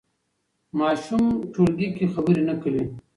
ماشوم ټولګي کې خبرې نه کوي.